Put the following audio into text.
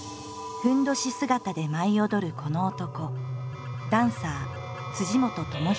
ふんどし姿で舞い踊るこの男。